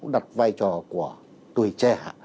đặt vai trò của tuổi trẻ